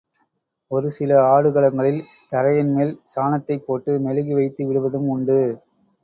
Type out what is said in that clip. ஒரு சில ஆடுகளங்களில், தரையின் மேல் சாணத்தைப் போட்டு மெழுகி வைத்து விடுவதும் உண்டு.